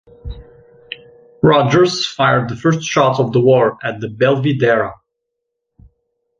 Rodgers fired the first shot of the war at the "Belvidera".